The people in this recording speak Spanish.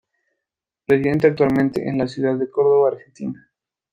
Reside actualmente en la ciudad de Córdoba, Argentina.